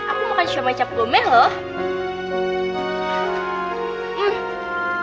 aku makan siomay cap gomeh loh